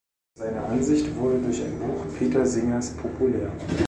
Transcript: Seine Ansicht wurde durch ein Buch Peter Singers populär.